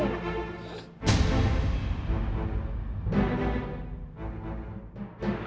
ya udah bersih ya